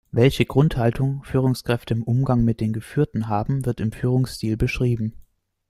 Welche Grundhaltung Führungskräfte im Umgang mit den Geführten haben wird im Führungsstil beschrieben.